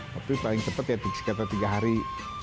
tapi paling cepat ya sekitar tiga hari